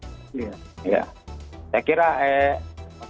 ya ya saya kira kedepannya itu mbak artinya kita akan persiapan untuk menghasilkan perjalanan